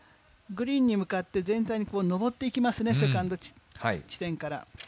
グリーンに向かって全体に上っていきますね、セカンド地点から。